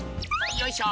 よいしょ！